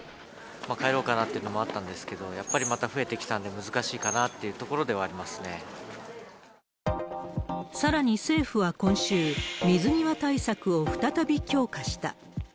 帰ろうかなというのもあったんですけれども、やっぱりまた増えてきたんで、難しいかなっていうところではありさらに、政府は今週、水際対策を再び強化した。